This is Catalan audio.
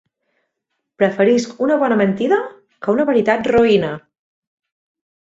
Preferisc una bona mentida que una veritat roïna.